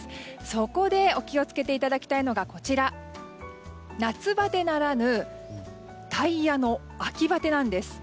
そこでお気をつけいただきたいのが夏バテならぬタイヤの秋バテなんです。